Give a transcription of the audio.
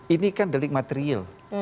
ini kan delik materiel